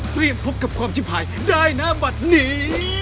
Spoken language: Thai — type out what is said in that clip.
เตรียมพบกับความชิ้นผายได้นะบะนี้